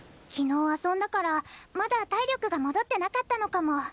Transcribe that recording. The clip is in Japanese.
昨日遊んだからまだ体力が戻ってなかったのかも。